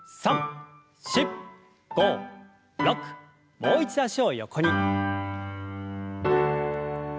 もう一度脚を横に。